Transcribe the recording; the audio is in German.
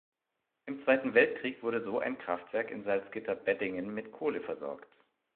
Im Zweiten Weltkrieg wurde so ein Kraftwerk in Salzgitter-Beddingen mit Kohle versorgt.